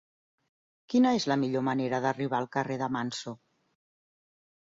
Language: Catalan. Quina és la millor manera d'arribar al carrer de Manso?